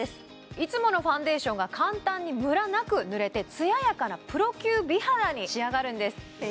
いつものファンデーションが簡単にムラなく塗れて艶やかなプロ級美肌に仕上がるんです